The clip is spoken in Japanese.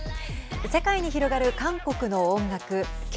世界に広がる韓国の音楽